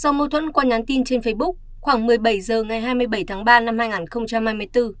do mâu thuẫn qua nhắn tin trên facebook khoảng một mươi bảy h ngày hai mươi bảy tháng ba năm hai nghìn hai mươi bốn